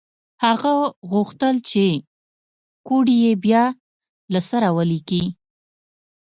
هغه غوښتل چې کوډ یې بیا له سره ولیکي